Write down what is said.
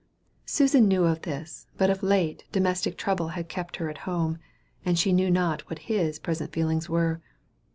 Susan knew of this; but of late, domestic trouble had kept her at home, and she knew not what his present feelings were.